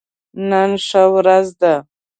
نن ښه ورځ ده